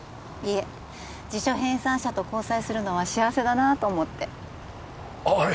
いえ辞書編纂者と交際するのは幸せだなと思ってああ